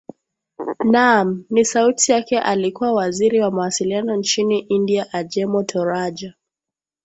naam ni sauti yake alikuwa waziri wa mawasiliano nchini india ajemo toraja